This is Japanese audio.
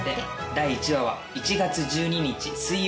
第１話は１月１２日水曜。